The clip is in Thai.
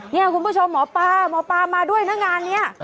นี่คุณผู้ชมหมอปลาหมอปลามาด้วยนะงานนี้